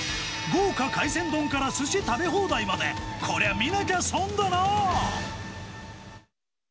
豪華海鮮丼からすし食べ放題まで、これは見なきゃ損だな。